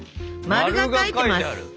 まるが描いてます！